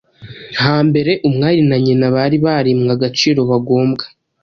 Hambere umwari na nyina bari barimwe agaciro bagombwa,